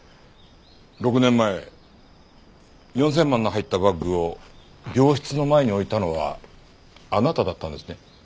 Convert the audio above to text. ６年前４０００万の入ったバッグを病室の前に置いたのはあなただったんですね？